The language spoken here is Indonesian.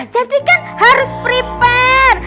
jadi kan harus prepare